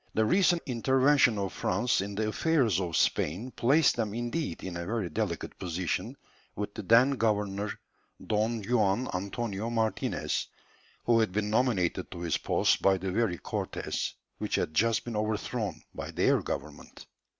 The recent intervention of France in the affairs of Spain placed them indeed in a very delicate position with the then governor, Don Juan Antonio Martinez, who had been nominated to his post by the very Cortés which had just been overthrown by their government.